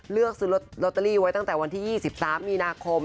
เลือกซื้อลอตเตอรี่ไว้ตั้งแต่วันที่๒๓มีนาคม